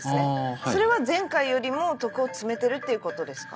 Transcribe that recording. それは前回よりも徳を積めてるってことですか？